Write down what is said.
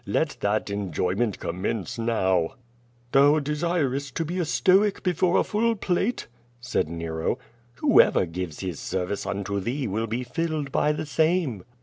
Let that enjoyment commence now." "Thou desircst to be a Stoic before a full plate," said Nero. "Whoever gives his service unto thee will be filled by the same."